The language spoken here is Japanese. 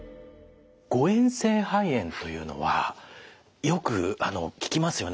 誤えん性肺炎というのはよく聞きますよね